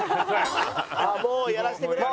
ああもうやらせてくれと。